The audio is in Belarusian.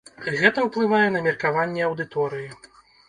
Гэта ўплывае на меркаванне аўдыторыі.